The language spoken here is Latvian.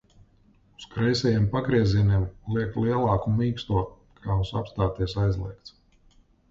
Uz kreisajiem pagriezieniem liek lielāku mīksto, kā uz apstāties aizliegts.